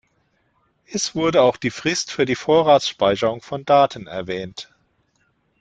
Es wurde auch die Frist für die Vorratsspeicherung von Daten erwähnt.